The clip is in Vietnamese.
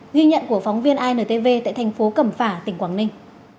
ghi nhận của phóng viên intv tại thành phố cẩm phả tỉnh quảng ninh